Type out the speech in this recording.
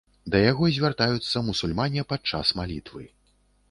Да яго звяртаюцца мусульмане падчас малітвы.